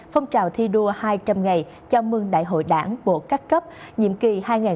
phong trào thi đua hai trăm linh ngày chào mừng đại hội đảng bộ các cấp nhiệm kỳ hai nghìn hai mươi hai nghìn hai mươi năm